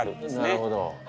なるほど。